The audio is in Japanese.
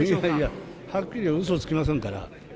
はっきりはうそはつきませんから。